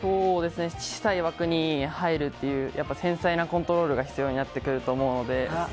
小さい枠に入るという繊細なコントロールが必要になってくると思うので。